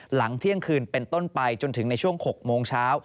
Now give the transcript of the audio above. หลังเที่ยงคืนเป็นต้นไปจนถึงในช่วง๖โมงเช้า